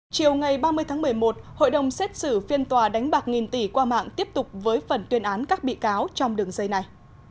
chiều ngày ba mươi tháng một mươi một hội đồng xét xử phiên tòa đánh bạc nghìn tỷ qua mạng tiếp tục với phần tuyên án các bị cáo trong đường dây này